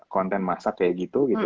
konten masak kayak gitu gitu